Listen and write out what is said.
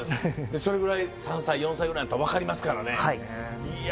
それぐらい３歳４歳ぐらいやったら分かりますからねいや